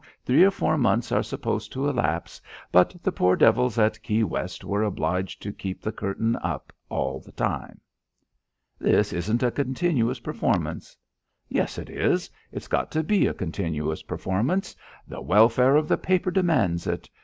Three or four months are supposed to elapse. But the poor devils at Key West were obliged to keep the curtain up all the time." "This isn't a continuous performance." "Yes, it is; it's got to be a continuous performance. The welfare of the paper demands it.